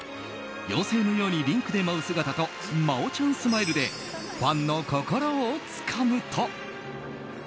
妖精のようにリンクで舞う姿と真央ちゃんスマイルでファンの心をつかむと。